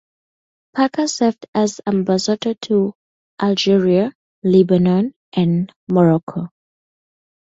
Parker served as Ambassador to Algeria, Lebanon and Morocco.